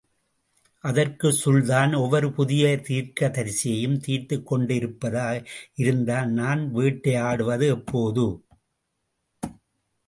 அதற்கு, சுல்தான் ஒவ்வொரு புதிய தீர்க்கதரிசியையும் தீர்த்துக் கொண்டிருப்பதாக இருந்தால் நான் வேட்டையாடுவது எப்போது?